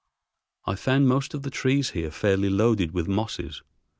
I found most of the trees here fairly loaded with mosses.